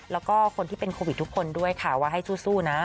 แล้วก็คนที่เป็นโควิดทุกคนด้วยค่ะว่าให้สู้นะ